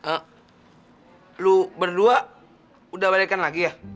eh lo berdua udah balikkan lagi ya